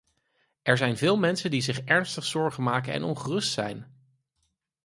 Er zijn veel mensen die zich ernstig zorgen maken en ongerust zijn.